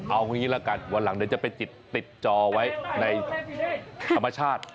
เอางี้ละกันวันหลังเดี๋ยวจะไปติดจอไว้ในธรรมชาติ